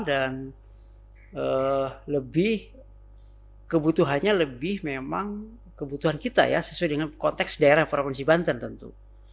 dan lebih kebutuhannya lebih memang kebutuhan kita ya sesuai dengan konteks daerah provinsi banten tentu